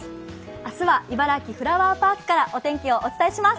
明日は茨城フラワーパークからお天気、お伝えします。